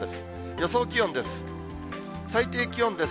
予想気温です。